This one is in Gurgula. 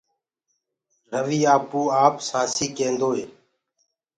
رويٚ آپوآپ سآنٚسي ڪينٚدوئي